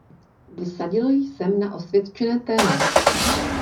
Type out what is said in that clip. Vsadil jsem na osvědčené téma.